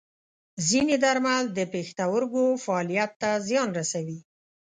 ځینې درمل د پښتورګو فعالیت ته زیان رسوي.